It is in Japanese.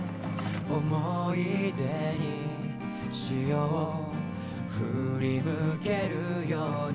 思い出にしよう振り向けるように